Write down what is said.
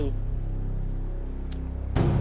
ข้าว